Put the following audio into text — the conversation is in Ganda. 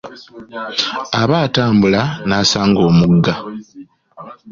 Aba atambula n'asanga omugga.